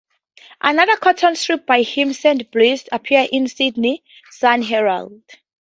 Another cartoon strip by him, "Sandy Blight", appeared in Sydney's "Sun-Herald".